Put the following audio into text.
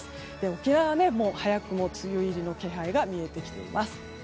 沖縄は早くも梅雨入りの気配が見えてきています。